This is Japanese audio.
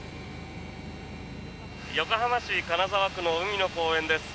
横浜市金沢区の海の公園です。